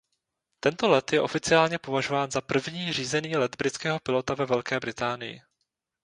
Tento let je oficiálně považován za první řízený let britského pilota ve Velké Británii.